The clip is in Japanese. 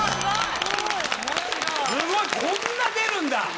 こんな出るんだ！